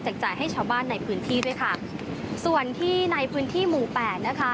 จ่ายให้ชาวบ้านในพื้นที่ด้วยค่ะส่วนที่ในพื้นที่หมู่แปดนะคะ